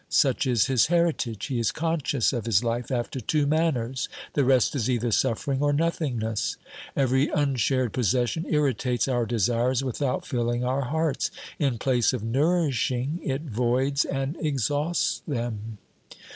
Such is his heritage : he is conscious of his R 258 OBERMANN life after two manners, the rest is either suffering or nothingness. Every unshared possession irritates our desires without filling our hearts ; in place of nourishing, it voids and exhausts them.